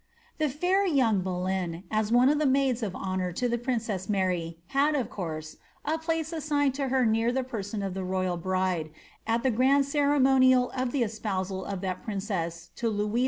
The fair young Boleyn, as one of the maids of honour to the princess Mary, had, of course, a place assigned to her near the person of the roy^ bride, at the grand ceremonial of the espousal of that princess to Louis XU.